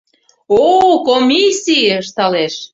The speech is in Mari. — О-о, комиссий! — ышталеш.